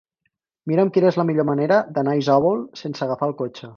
Mira'm quina és la millor manera d'anar a Isòvol sense agafar el cotxe.